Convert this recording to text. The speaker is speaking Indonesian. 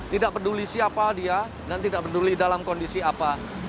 tidak peduli siapa dia dan tidak peduli dalam kondisi apa